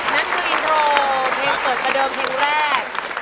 นั่นคืออินโทรเพลงเปิดประเดิมเพลงแรก